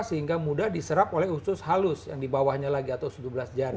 sehingga mudah diserap oleh usus halus yang di bawahnya lagi atau sudah belas jari